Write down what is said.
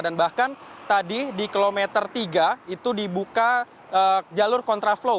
bahkan tadi di kilometer tiga itu dibuka jalur kontraflow